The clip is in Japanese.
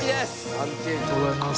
ありがとうございます。